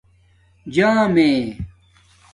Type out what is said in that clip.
جݳمیے